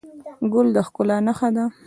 ګل د ښکلا نښه ده.